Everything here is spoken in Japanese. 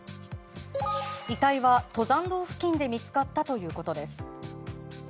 遺体は登山道付近で見つかったということです。